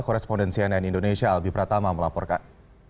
korespondensi an indonesia albi pratama melaporkan